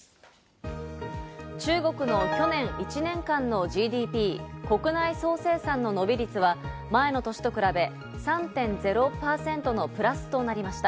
中国の去年１年間のＧＤＰ＝国内総生産の伸び率は前の年と比べ３．０％のプラスとなりました。